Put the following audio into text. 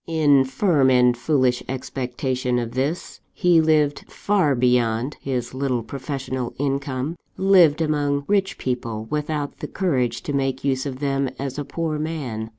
In firm and foolish expectation of this, he lived far beyond his little professional income lived among rich people without the courage to make use of them as a poor man.